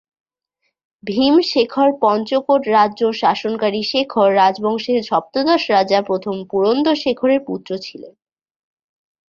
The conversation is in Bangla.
ভীম শেখর পঞ্চকোট রাজ্য শাসনকারী শেখর রাজবংশের সপ্তদশ রাজা প্রথম পুরন্দর শেখরের পুত্র ছিলেন।